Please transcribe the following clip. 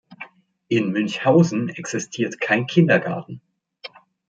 In Münchhausen existiert kein Kindergarten.